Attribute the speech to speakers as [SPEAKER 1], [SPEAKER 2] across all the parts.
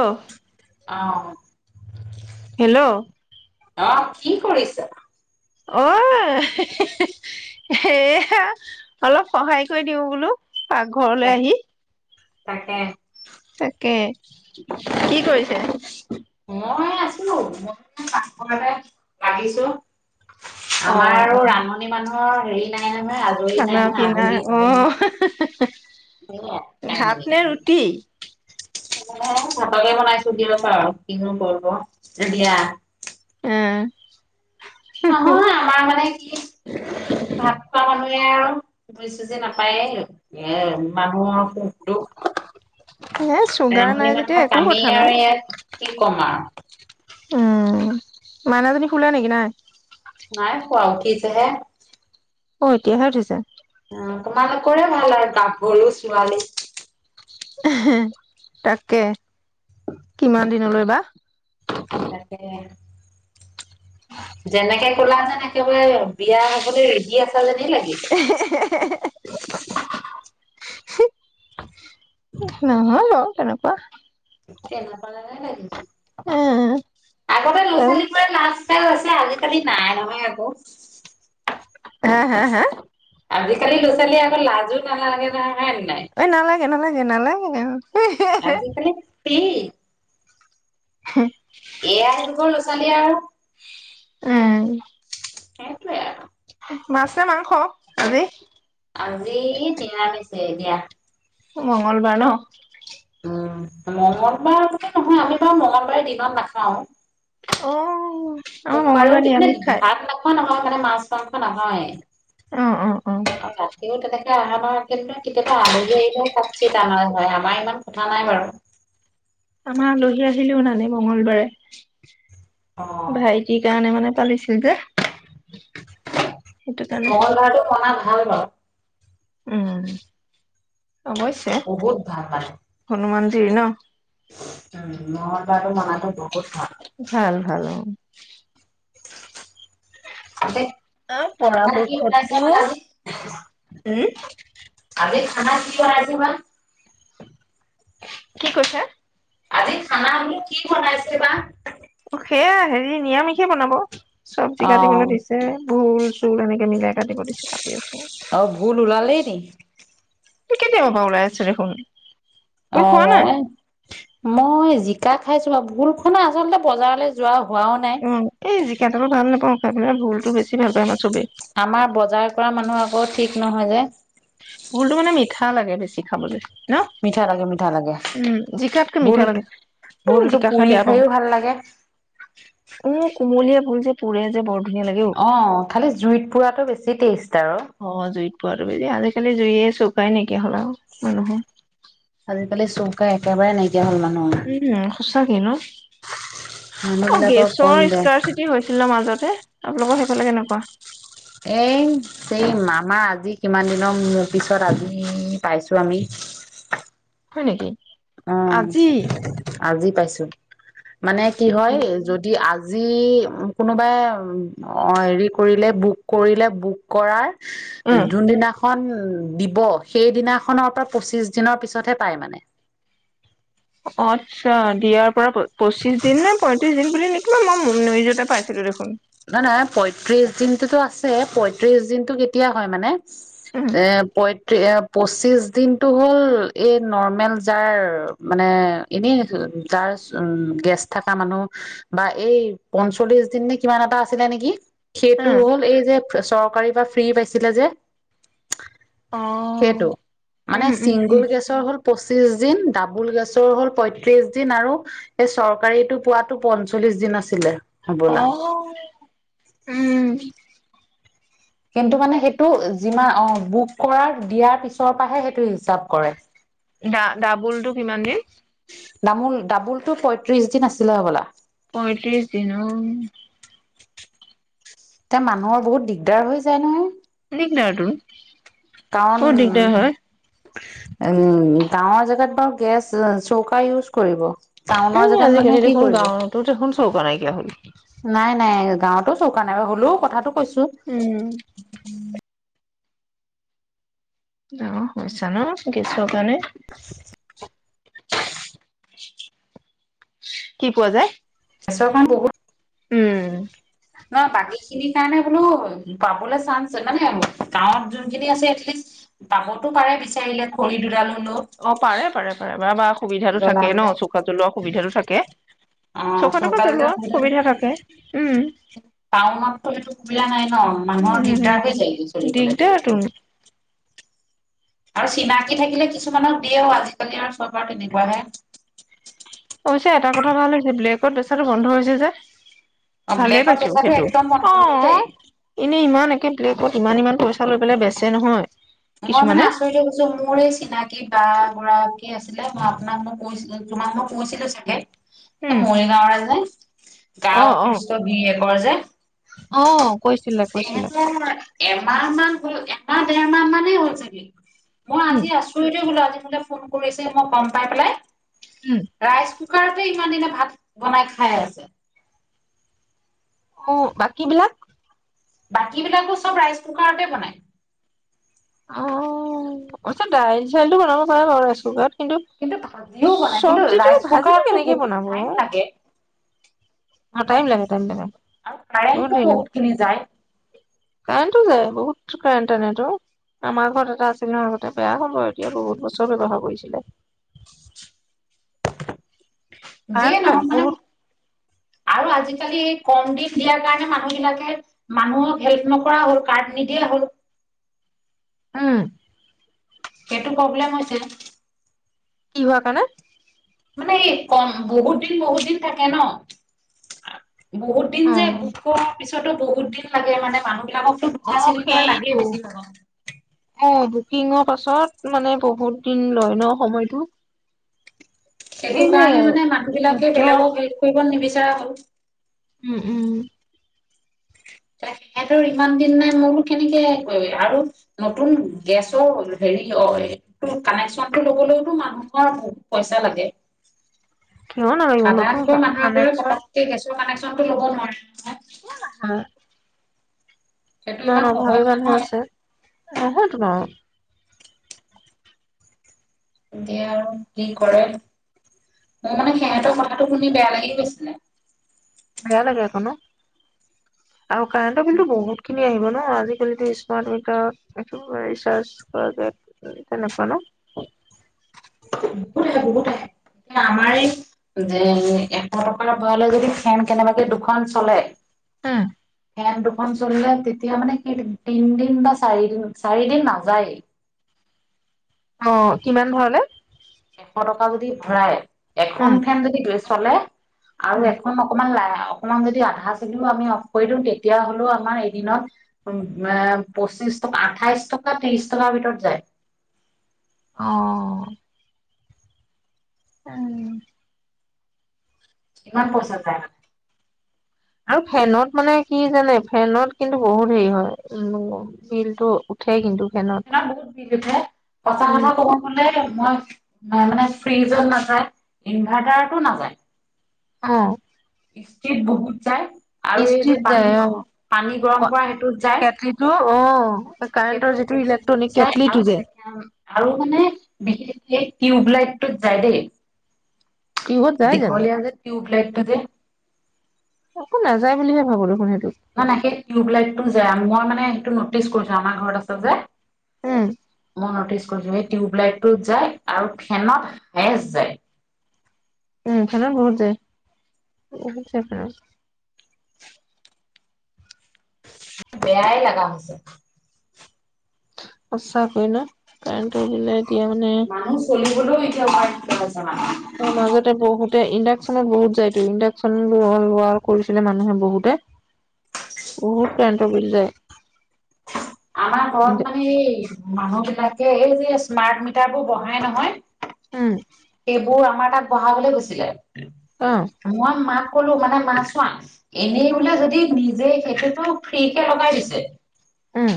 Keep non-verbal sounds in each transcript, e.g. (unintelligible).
[SPEAKER 1] অ'।
[SPEAKER 2] অ'
[SPEAKER 1] হেল্ল'
[SPEAKER 2] অ, কি কৰিছে?
[SPEAKER 1] অ, ' হে- হে - হে- এয়া, অলপ সহায় কৰি দিওঁ বোলো পাকঘৰলৈ
[SPEAKER 2] তাক
[SPEAKER 1] আহি
[SPEAKER 2] তাকে।
[SPEAKER 1] তাকে, কি কৰিছে?
[SPEAKER 2] (inaudible) আমাৰ আৰু ৰান্ধনি মানুহ অ' হেৰি না
[SPEAKER 1] খানা-পিনা, অ' হে - হে - হে
[SPEAKER 2] সেয়াই
[SPEAKER 1] ভাত
[SPEAKER 2] কাহিনী
[SPEAKER 1] নে ৰুটি?
[SPEAKER 2] ভাতকে বনাইছো দি আছ আৰু কিনো কৰিব এ দিয়া
[SPEAKER 1] আ।
[SPEAKER 2] নহয় আমাৰ মানে কি, ভাত খোৱা মানুহ এও বুজি-চুজি নাপায়েই, এ, মানুহক (unintelligible) দুখ
[SPEAKER 1] এ
[SPEAKER 2] (unintelligible)
[SPEAKER 1] চুগাৰ নাই যেতিয়া
[SPEAKER 2] মানুহৰ
[SPEAKER 1] একো
[SPEAKER 2] কামেই
[SPEAKER 1] কথা নাই
[SPEAKER 2] আৰু ইয়াত কি কম আৰু।
[SPEAKER 1] উম, মাইনাজনী শুলে নেকি, নাই?
[SPEAKER 2] নাই খোৱা তিছেহে।
[SPEAKER 1] অ', এতিয়াহে উঠিছে।
[SPEAKER 2] উম, তোমালোকৰে ভাল আৰু গাভৰু ছোৱালী।
[SPEAKER 1] ই হি তাকে কিমান দিনলৈ বা?
[SPEAKER 2] সঁচাকে যেনেকে ক'লা যে একেবাৰে বিয়া হ'বলৈ ৰেডি আছা যেনই লাগিছে।
[SPEAKER 1] হেহেহেহে (inaudible) নহয় অ'। কেনেকুৱা?
[SPEAKER 2] তেনেকুৱা লাগে নেকি?
[SPEAKER 1] এ
[SPEAKER 2] আগতে ল'ছালীবোৰে লাজ কে হৈছে আজি কালি নাই নহয় আকৌ।
[SPEAKER 1] হা, হা, হা
[SPEAKER 2] আজিকালি ল'ৰা-ছোৱালী আকৌ লাজো নালাগে নহ হয়নাই?
[SPEAKER 1] এনালাগে নালাগে উ
[SPEAKER 2] আজিকালি প্লি
[SPEAKER 1] হে
[SPEAKER 2] এয়াই হ'ব লৈছ ছোৱালী আউ
[SPEAKER 1] উম।
[SPEAKER 2] সেটো এ আউ
[SPEAKER 1] মাছনে, মাংস, আজি?
[SPEAKER 2] আজি তিৰামিছে দিয়া।
[SPEAKER 1] মঙলবাৰ ন'।
[SPEAKER 2] উম। মঙ্গলবাৰ আগতে নহয়, আমিবাউ মঙগলবাৰে দিনত নাখাওঁ।
[SPEAKER 1] অ'। আমাৰ
[SPEAKER 2] সোমবাৰেও
[SPEAKER 1] মংগলবাৰে নিৰামিষ
[SPEAKER 2] (unintelligible)
[SPEAKER 1] খায়।
[SPEAKER 2] ভাত নোখোৱা নহয়। মা মা মাছ। (unintelligible) নাহয়
[SPEAKER 1] অ' অ' অ'
[SPEAKER 2] আউ ৰাতিও তেনে আহামাহা কেটো কেতিয়াবা আলহী আহিলে কাটিছিল আনা হয়, আমাৰ ইমান কথা নাই বাৰু।
[SPEAKER 1] আমা আলহী আহিলেও নানে মঙলবাৰে।
[SPEAKER 2] অ',
[SPEAKER 1] ভাইটি কাৰণে মানে পালিছ (unintelligible)
[SPEAKER 2] মন ধৰাটো শনা ন ভাল ব
[SPEAKER 1] উম। অৱশ্যে,
[SPEAKER 2] বহুত ভাল মানে
[SPEAKER 1] হনুমান তৃণ
[SPEAKER 2] উম, মঙলবাৰটো (unintelligible)
[SPEAKER 1] ভাল ভাল অ
[SPEAKER 2] এতিয়া
[SPEAKER 1] অ,
[SPEAKER 2] খানা কি বনাইছে
[SPEAKER 1] পৰাপক্ষতটো,
[SPEAKER 2] বা আজি
[SPEAKER 1] উ? (unintelligible)
[SPEAKER 2] আজি খানা কি (unintelligible)
[SPEAKER 1] কি কৈছে
[SPEAKER 2] আজি খানা বোলো কি বনাইছে বা?
[SPEAKER 1] অ' সেয়া হেৰি নিৰামিষে বনাব। চব্জি
[SPEAKER 2] অ
[SPEAKER 1] কাটিবলৈ দিছে। ভুল চোল এনেকে মিলাই কাটিব দিছে, কাটি আছোঁ।
[SPEAKER 2] অ', ভুল ওলালেই নি
[SPEAKER 1] তু কেতিয়া বাবা ওলাই আছ দেখোন
[SPEAKER 2] অ,
[SPEAKER 1] ভোল খোৱা নাই?
[SPEAKER 2] মই, মই জিকা খাইছোঁ বাৰু, ভুল খোনা আচলতে বজাৰলৈ যোৱা হোৱাও নাই
[SPEAKER 1] উম, এই জিকাটো মই ভাল নাপাওঁ। তাৰোনে ভুলটো বেছি ভাল প আমাৰ চবেই
[SPEAKER 2] আমাৰ বজাৰ কৰা মানুহ আকৌ ঠিক নহয় যে।
[SPEAKER 1] ুলতটো মানে মিঠা লাগে বেছি খাবলৈ ন
[SPEAKER 2] মিঠা লাগে মিঠা লাগে
[SPEAKER 1] উম জিকাতকে
[SPEAKER 2] ভোল
[SPEAKER 1] মিঠা লাগে উম
[SPEAKER 2] ভোলটো
[SPEAKER 1] জিকা খাই
[SPEAKER 2] পুৰি
[SPEAKER 1] বেয়া পাওঁ
[SPEAKER 2] খাইও ভাল লাগে
[SPEAKER 1] উ কুমলীয়া ভুল যে পোৰে যে বৰ ধুনীয়া লাগে
[SPEAKER 2] অ' খালি জুইত পুৰাতটো বেছি টেষ্ট আৰু।
[SPEAKER 1] (unintelligible) জুই এ, চউকাই নাইকিয়া হ'ল আৰু মানুহৰ।
[SPEAKER 2] এয়া হ'ল মানুহ
[SPEAKER 1] চকে ন অ
[SPEAKER 2] বিলাকৰ কম
[SPEAKER 1] গেছৰ
[SPEAKER 2] দে
[SPEAKER 1] স্ক চিটি হৈছিল ন মাজত আপোনালোকৰ সেইফালে কেনেকুৱা?
[SPEAKER 2] এ স মামা আজি কিমান দিনৰ পিছত আজি পাইছো আমি
[SPEAKER 1] হয় নেকি?
[SPEAKER 2] অ,
[SPEAKER 1] আজি
[SPEAKER 2] আজি পাইছোন মানে কি হয় যদি আজি যি কোনোবাই হেৰি কৰিলে বুক কৰিলে বুক কৰাৰ-
[SPEAKER 1] উম
[SPEAKER 2] যোনদিনাখন- দিব সেইদিনাখনৰ পৰা পঁচিশ দিনৰ পিছতহে পাই মানে।
[SPEAKER 1] আচ্ছা দিয়া। প পঁচিশ দিন নে পয়ত্ৰিশ দিন। কি মই ম নিউজতে পাইছিলো দেখোন।
[SPEAKER 2] নহয় নহয় পয়ত্ৰিশ দিনটোতো আছে পয়ত্ৰিশ দিনতটো কেতিয়া হয় মানে।
[SPEAKER 1] উম
[SPEAKER 2] এ পয়ত্ৰি পঁচিছ। দিনটো হ'ল এই নৰ্মেল যাৰ মানে এনেই যাৰ উ গেছ থকা মানুহ বা এই পঞ্চল্লিশ দিন নে- কিমান এটা আছিলে নেকি। সেইটো
[SPEAKER 1] উম
[SPEAKER 2] হ'ল এই যে- চৰকাৰী বা ফ্ৰী পাইছিলে যে
[SPEAKER 1] অ
[SPEAKER 2] সেইটো মানে
[SPEAKER 1] উম উম
[SPEAKER 2] চিংগুল
[SPEAKER 1] উম
[SPEAKER 2] গেছৰ হ'ল পচি পঁচিশ দিন ডাবুল গেছৰ হ'ল, পয়ত্ৰিশ দিন আৰু এই চৰকাৰীটো পোৱাতো পঞ্চল্লিশ দিন আছিলে। হবলা
[SPEAKER 1] অ'। উম।
[SPEAKER 2] কিন্তু মানে সেইটো যিমান অ', বুক কৰাৰ দিয়াৰ পিছৰ পৰাহে সেইটো হিচাব কৰে।
[SPEAKER 1] ডা ডাবুলটো কিমান দিন?
[SPEAKER 2] ডামোল দাবোলটো পঁয়ত্ৰিশ দিন আছিলে হ'বলা।
[SPEAKER 1] পইয়ত্ৰিশ দিন অ'।
[SPEAKER 2] তে মানুহৰ বহুত দিগদাৰ হৈ যায় নহয়।
[SPEAKER 1] দিগদাৰটো।
[SPEAKER 2] কাৰণ উম, গাওঁৰ জেগাত বাৰু গেছ চৌকা ইউজ কৰিব। টাউনৰ
[SPEAKER 1] উম,
[SPEAKER 2] জেগাত
[SPEAKER 1] আজিকালি
[SPEAKER 2] মানুহে কি
[SPEAKER 1] দেখোন
[SPEAKER 2] কৰিব
[SPEAKER 1] গাঁওটো দেখোন চৌকা নাইকিয়া হ'ল।
[SPEAKER 2] গাওঁতো চৌকা নাই হ'লেও কথাটো কৈছো
[SPEAKER 1] উম ডাঙৰ সমস্যা ন? গেছৰ কাৰণে কি পোৱা যায়?
[SPEAKER 2] (unintelligible) বহুত
[SPEAKER 1] উম।
[SPEAKER 2] ন বাকী খিনিৰ কাৰণে বোলো, পাবলৈ চাঞ্চ মানে, গাঁওত যোনখিনি আছে এটলিষ্ট পাবতো পাৰে বিচাৰিলে খৰি দুডালো-
[SPEAKER 1] অ', পাৰে পাৰে। (unintelligible) সুবিধাটো থাকে
[SPEAKER 2] জ্বলাবলে
[SPEAKER 1] ন', চৌকা জ্বলোৱা সুবিধাটো থাকে।
[SPEAKER 2] অ',
[SPEAKER 1] চৌকা টোকা
[SPEAKER 2] চৌকাজলে
[SPEAKER 1] জ্বলোৱা
[SPEAKER 2] সুবিধাটো
[SPEAKER 1] সুবিধা থাকে উম,
[SPEAKER 2] টাউনততো সেইটো সুবিধা নাই ন'
[SPEAKER 1] উ,
[SPEAKER 2] মানুহৰ দিগদাৰ হৈ যায়গে চলিবলে।
[SPEAKER 1] দিগদাৰ তু
[SPEAKER 2] আৰু চিনাকি থাকিলে কিছুমানক দিয়েও, আজিকালি আৰু চব আৰু তেনেকুৱাহে।
[SPEAKER 1] অৱশ্যে এটা কথা ভাল হৈছে ব্লেকত বেচাটো বন্ধ হৈছে যে।
[SPEAKER 2] অ',
[SPEAKER 1] ভালে
[SPEAKER 2] ব্লেকত
[SPEAKER 1] পাইছো
[SPEAKER 2] বেচাটো
[SPEAKER 1] সেইটো
[SPEAKER 2] একদম বন্ধ
[SPEAKER 1] অ
[SPEAKER 2] হৈ গ'ল দেই।
[SPEAKER 1] এনে ইমান।। বেলেগত ইমান ইমান পইচা লৈ পেলাই বেচে নহয়।
[SPEAKER 2] মই মানে
[SPEAKER 1] কিছুমানে
[SPEAKER 2] আচৰিত হৈ গৈছো মোৰ এই চিনাকি বা এগৰাকী আছে।। যিবিলাক মই আপোনাক কৈছিলো- তোমাক মই কৈছিলো চাগে? এ
[SPEAKER 1] উম
[SPEAKER 2] মৰিগাঁৱৰে যে গা
[SPEAKER 1] অ অ
[SPEAKER 2] অসুস্থ বী।। ঘৰ যে?
[SPEAKER 1] অ,। কৈছিলে কৈছিলে
[SPEAKER 2] (inaudible) এমাহ মান গ'ল এমাহ দেৰ মাহ মানে হ'ল ছাগে? মই
[SPEAKER 1] উম
[SPEAKER 2] আজি আচৰিতে হ'লত।। মোলে ফোন কৰিছে মই গম পাই পেলাই?
[SPEAKER 1] উম
[SPEAKER 2] ৰাইজ। কুকাৰতে ইমান দিনে ভাত বনাই খাই আছে।
[SPEAKER 1] ওহঁ বাকী বিলাক?
[SPEAKER 2] বাকী বিলাকো চব ৰাইচ কুকাৰতে বনাই।
[SPEAKER 1] অ', আচ্ছা দাইল চাইলটো বনাব পাৰোঁ বাৰু ৰাইচ কুকাৰত।
[SPEAKER 2] কিন্তু ভাজিও বনাই কিন্তু
[SPEAKER 1] চব্জিটো
[SPEAKER 2] ৰাইচ
[SPEAKER 1] ভাজিটো
[SPEAKER 2] কুকাৰতটো
[SPEAKER 1] কেনেকে
[SPEAKER 2] বহুত
[SPEAKER 1] বনাব
[SPEAKER 2] টাইম লাগে?
[SPEAKER 1] অ টাইম লাগে টাইম লাগে
[SPEAKER 2] আৰু
[SPEAKER 1] বহুত
[SPEAKER 2] কাৰেণ্টটো
[SPEAKER 1] টাইম লাগে।
[SPEAKER 2] খিনি যায়
[SPEAKER 1] কাৰেণ্টটো যায়, বহুত কাৰেণ্ট টানেটো। আমাৰ ঘৰত এটা আছিল নহয় আগতে, বেয়া হ'ল বাৰু এতিয়া বহুত বছৰ ব্যৱহাৰ কৰিছিলে।
[SPEAKER 2] যিয়ে
[SPEAKER 1] কাৰেণ্ট লাগে
[SPEAKER 2] নহক মানে
[SPEAKER 1] বহুত
[SPEAKER 2] আৰু আজি।। আজিকালি কম দিন দিয়াৰ কাৰণে মানুহ বিলাকে মানুহক হেল্প নকৰা হ'ল কাৰ্ড নিদিয়া হ'ল
[SPEAKER 1] উম।
[SPEAKER 2] এইটো প্ৰব্লেম হৈছে।
[SPEAKER 1] কি হোৱা কাৰণে।
[SPEAKER 2] মানে এই। কম বহুত দিন বহুত দিন থাকে ন বহুত দিন যে
[SPEAKER 1] অ
[SPEAKER 2] বোক কৰাৰ পিছত।। তেতিয়া টো বহুত দিন লাগে মানে মানুহ। এইবিলাককটো
[SPEAKER 1] অ
[SPEAKER 2] দুটা চিলিণ্ডাৰ
[SPEAKER 1] সেইটো
[SPEAKER 2] লাগেই বেছি ভাগক।
[SPEAKER 1] অ বুকিঙৰ পাছত মানে বহুত দিন লয় ন সময়টো।
[SPEAKER 2] সেইটো
[SPEAKER 1] এই যে
[SPEAKER 2] কাৰণে মানে মানুহ বিলাকে
[SPEAKER 1] যুদ্ধ
[SPEAKER 2] বেলেগক হেল্প কৰিব নিবিচাৰে। (unintelligible)
[SPEAKER 1] উম, উম।
[SPEAKER 2] হে সিহঁতৰ ইমান দিন নাই মই বুলো কেনেকে কৰিবি আৰু নতুন গেছৰ হেৰিটো কানেকচনটো লবলৈওতো মানুহৰ বহুত পইচা লাগে।
[SPEAKER 1] কিয় নালাগিব নতুন
[SPEAKER 2] সাধাৰণতে মানুহ এঘৰে
[SPEAKER 1] কানেকচন
[SPEAKER 2] পটৈকে গেছৰ কাণেকচন,।। পটৈকে ল'ব নোৱাৰে
[SPEAKER 1] ক'ত আছা।
[SPEAKER 2] সেইটো
[SPEAKER 1] ইমান
[SPEAKER 2] সহজ
[SPEAKER 1] অভাৱী মানুহ
[SPEAKER 2] নহয়
[SPEAKER 1] আছে, নহয়তো বাৰু
[SPEAKER 2] এতিয়া আৰু কি কৰে, মোৰ মানে সিহঁতৰ কথাটো শুনি বেয়া লাগি গৈছিলে।
[SPEAKER 1] বেয়া লাগে আকৌ ন? আৰু কাৰেণ্টৰ বিলটো বহুতখিন আহিব ন, আজিকালিতো স্মাৰ্টমিটাৰ ৰিচাৰ্জ কৰা যায় তেনেকুৱা ন?
[SPEAKER 2] বহুত আহে বহুত আহে, আমাৰ এই যে এশ টকাৰ ওপৰলৈ যদি ফেন কেনেবাকে দুখন চলে
[SPEAKER 1] উম।
[SPEAKER 2] ফেন দুখন চলিলে তেতিয়া মানে সেই তিনদিন বা চাৰিদিন, চাৰি দিন নাযায়েই
[SPEAKER 1] অ', কিমান ভৰালে?
[SPEAKER 2] এশ টকা যদি ভৰাই এখন
[SPEAKER 1] উম
[SPEAKER 2] ফেন যদি চলে আৰু
[SPEAKER 1] উম
[SPEAKER 2] এখন অকমান লাহে অকমান যদি আধা চলি আমি অফ কৰি দিওঁ, তেতিয়াহলেও আমাৰ এদিনত পচিশ টকা, আঠাইশ টকা-ত্ৰিশ টকাৰ ভিতৰত যায়
[SPEAKER 1] অ উম
[SPEAKER 2] ইমান পইচা যাই মানে
[SPEAKER 1] আৰু ফেনত মানে কি জানে ফেনত কিন্তু বহুত হেৰি হয় উ বিলটো উঠে কিন্তু।
[SPEAKER 2] ফেনত বহুত বিল উঠে, সঁচা
[SPEAKER 1] উম
[SPEAKER 2] কথা কব গলে মই মানে ফ্ৰিজত নাযায়, ইনভাৰ্টাৰতো নাযায়
[SPEAKER 1] অ'।
[SPEAKER 2] কিষ্টিত বহুত যায় আৰু এই যে
[SPEAKER 1] ইস্ত্ৰিত
[SPEAKER 2] পানী,
[SPEAKER 1] যায় অ
[SPEAKER 2] পানী
[SPEAKER 1] অ
[SPEAKER 2] গৰম কৰা সেইটোত যায়।
[SPEAKER 1] কেটলিটো অ কাৰেণ্টৰ
[SPEAKER 2] সেইটোত
[SPEAKER 1] যিটো
[SPEAKER 2] বহুত
[SPEAKER 1] ইলেক্ট্ৰনিক
[SPEAKER 2] যায়
[SPEAKER 1] কেটলিটো
[SPEAKER 2] আৰু
[SPEAKER 1] যে
[SPEAKER 2] ছেকেণ্ড আৰু মানে বিশেষ এই টিউব লাইটটোত যায় দেই
[SPEAKER 1] কিহত যায় জানো
[SPEAKER 2] দীঘলীয়া যে টিউব লাইট ক যে
[SPEAKER 1] একো নাযায় বুলিহে ভাবো দেখোন সেইটো
[SPEAKER 2] না না সেই টিউবলাইটটো যে, মই মানে সেইটো নটিচ কৰিছো আমাৰ ঘৰত আছে যে
[SPEAKER 1] উম।
[SPEAKER 2] মই নটিচ কৰিছো সেই টিউব লাইটটোত যায় আৰু ফেনত হায়েজ যায়
[SPEAKER 1] উম ফেনত বহুত যায় (unintelligible)
[SPEAKER 2] বেয়াই লাগা হৈছে।
[SPEAKER 1] সঁচাকৈ ন কাৰেণ্টৰ বিলে এতিয়া মানে
[SPEAKER 2] মানুহ চলিবলৈ এতিয়া বৰ দিগদাৰ হৈছে মানে।
[SPEAKER 1] অ মাজতে বহুতে ইণ্ডাকচনত বহুত যায়তো ইণ্ডাকচন লোৱা কৰিছিলে মানুহে বহুতে, বহুত কাৰেণ্টৰ বিল যায়।
[SPEAKER 2] আমাৰ ঘৰত মানে এই মানুহবিলাকে এই যে স্মাৰ্টমিটাৰ বোৰ বহাই নহয়
[SPEAKER 1] উম।
[SPEAKER 2] এইবোৰ আমাৰ তাত বহাবলৈ গৈছিলে।
[SPEAKER 1] অ
[SPEAKER 2] মই মাক কলো মানে মা চোৱা, এনেই বোলে যদি নিজে সেইটোতো ফ্ৰী কে লগাই দিছে।
[SPEAKER 1] উম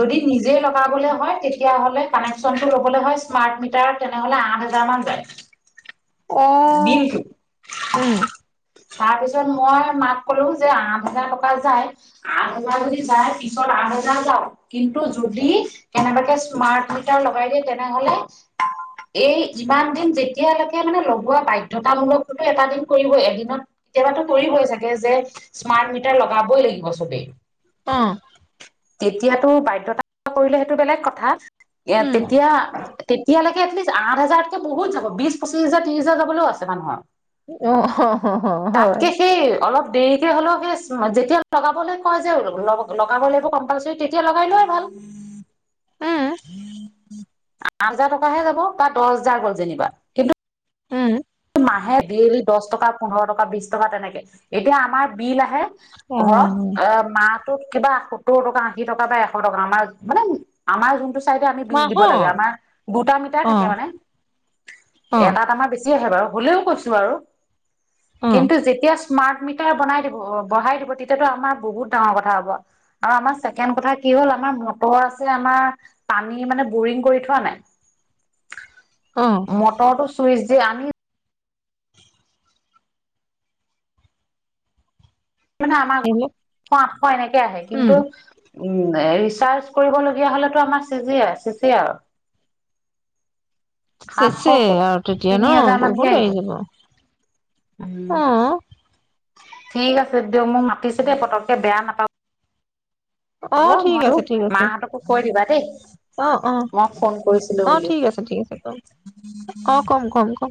[SPEAKER 2] যদি নিজে লগ লগাবলৈ হয়, তেতিয়ালে কানেকশ্যনটো লবলৈ হয় স্মাৰ্ট মিটাৰত তেনেহলে আঠ হাজাৰ মান যায়। দিনটো। তাৰ পিছত মই মাক কলো যে আঠ হাজাৰ টকা যায়, আঠ হাজাৰ যদি যায় পিছত আঠ হাজাৰ যাওক। কিন্তু যদি, কেনেবাকে স্মাৰ্ট মিটাৰ লগাই দিয়ে তেনেহলে, এই ইমান দিন যেতিয়ালৈকে মানে ব‌ বাধ্যতামূলক (unintelligible) ‌ এটা দিন কৰিবই, এদিনত, তিয়াবাতো কৰিবই চাগে যে স্মাৰ্ট মিটাৰ লগাবই লাগিব চবেই।
[SPEAKER 1] অ'।
[SPEAKER 2] তেতিয়াতো বাধ্যতা (inaudible) কৰিলে সেইটো বেলেগ কথা। ইয়াত তেতিয়া, তেতিয়ালৈক এটলিষ্ট আঠ হাজাৰতকৈ বহুত যাব, বিছ, পঁচিছ হাজাৰ, ত্ৰিশ হাজাৰ যাবলৈও আছে মানুহৰ।
[SPEAKER 1] অ, হ- হ- হ হয়।
[SPEAKER 2] তাতকে সেই অলপ দেৰিকে হলেও সেই স্ম যেতিয়া লগাবলৈ কয় যে ল লগাবলৈতো কম (unintelligible) তেতিয়া লগাই লোৱাই ভাল। (inaudible) অ আঠ হাজাৰ টকাহে যাব, বা দহ জাৰ গল যেনিবা, কিন্তু আহে দেইলি দছ টকা, পোন্ধৰ টকা, বিছ টকা তেনেকে। এতিয়া আমাৰ বিল আহে ঘৰত, অ' মাত কিবা সত্তৰ টকা, আশী টকা বা এশ টকা। আমাৰ মানে আমাৰ জোনটো এতিয়া আমি বিল দিব লাগে,
[SPEAKER 1] মাহত
[SPEAKER 2] আমাৰ দুটা মিটাৰ
[SPEAKER 1] অ
[SPEAKER 2] থাকে মানে।
[SPEAKER 1] অ
[SPEAKER 2] এটাত আমাৰ বেছি তিয়াহে বাৰু, হলেও কৈছো বাৰু
[SPEAKER 1] অ
[SPEAKER 2] কিন্তু যেতিয়া মাৰ্ট মিটাৰ বনাই দিব বঢ়াই দিব, তেতিয়াতো আমাৰ বহুত ডাঙৰ কথা হব। আৰু আমাৰ ছেকেণ্ড কথা কি হল আমাৰ মটৰ আছে আমাৰ পানী মানে বৰিং কৰি থোৱা নাই।
[SPEAKER 1] অ
[SPEAKER 2] মটৰটো চুইছ যে আমি মানে আমাৰ (unintelligible)
[SPEAKER 1] এইবিলাক
[SPEAKER 2] সাতশ আঠশ এনেকে আহে,
[SPEAKER 1] উম
[SPEAKER 2] কিন্তু উম, ৰিচাৰ্জ কৰিবলগীয়া হলেতো আমাৰ শেষে-শেষেই আৰু। সাতশ ক'ত
[SPEAKER 1] শেষেই আৰু তেতিয়া
[SPEAKER 2] তিনি হেজাৰ
[SPEAKER 1] ন',
[SPEAKER 2] মানকে
[SPEAKER 1] বহুত
[SPEAKER 2] আহিব
[SPEAKER 1] আহি
[SPEAKER 2] উম
[SPEAKER 1] যাব। অ'।
[SPEAKER 2] ঠিক আছে দিয়ক। মোক মাতিছে দেই পতককে বেয়া নাপাব
[SPEAKER 1] অ', ঠিক
[SPEAKER 2] মই
[SPEAKER 1] আছে, ঠিক আছে,
[SPEAKER 2] মাহঁতকো কৈ দিবা দেই
[SPEAKER 1] অ', অ',
[SPEAKER 2] মই ফোন কৰিছিলো
[SPEAKER 1] অ',
[SPEAKER 2] বুলি
[SPEAKER 1] ঠিক আছে, ঠিক আছে, কম। অ', কম কম কম।